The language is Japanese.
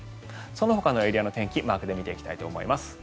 そのほかのエリアの天気マークで見ていきたいと思います。